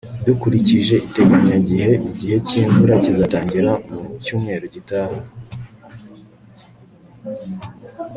dukurikije iteganyagihe, igihe cy'imvura kizatangira mu cyumweru gitaha